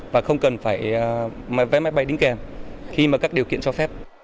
và không cần phải vé máy bay đính kèm khi mà các điều kiện cho phép